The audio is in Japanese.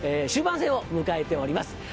終盤戦を迎えております